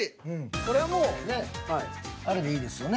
これはもうあれでいいですよね